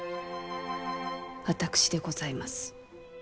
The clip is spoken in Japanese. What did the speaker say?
私でございます。